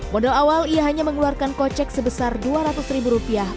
modal awal ia hanya mengeluarkan kocek sebesar dua ratus ribu rupiah